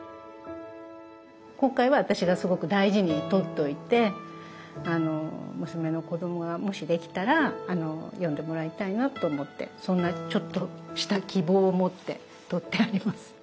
今回は私がすごく大事に取っておいて娘の子供がもしできたら読んでもらいたいなと思ってそんなちょっとした希望を持って取ってあります。